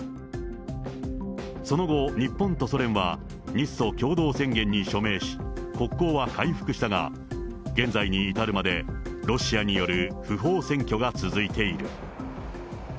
その後、日本とソ連は日ソ共同宣言に署名し、国交は回復したが、現在に至るまで、ロシアによる不法占拠が続いている。